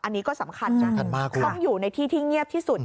อันนี้ก็สำคัญนะต้องอยู่ในที่ที่เงียบที่สุด